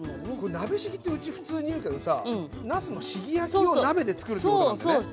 鍋しぎってうち普通に言うけどさなすのしぎ焼きを鍋で作るっていうことなんだよね。